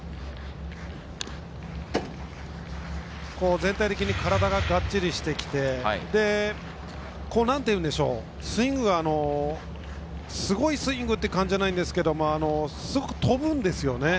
全体的に体ががっちりしてきてなんていうんでしょう、スイングはすごいスイングという感じではないんですがすごく飛ぶんですよね